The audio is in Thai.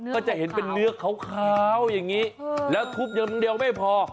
ก็จะเห็นเป็นเนื้อขาวอย่างนี้แล้วทุบอย่างเดียวไม่พอ